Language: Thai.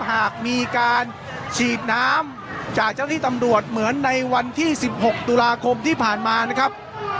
หากมีการฉีดน้ำจากเจ้าที่ตำรวจเหมือนในวันที่๑๖ตุลาคมที่ผ่านมานะครับ